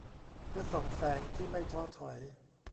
เพื่อส่องแสงที่ไม่ท้อถอย